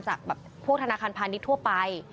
ทหารพานิษฐ์ทั่วไป